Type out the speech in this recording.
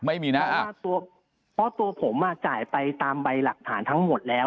ไม่มีนะค่าตัวเพราะตัวผมจ่ายไปตามใบหลักฐานทั้งหมดแล้ว